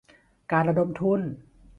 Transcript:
การระดมทุน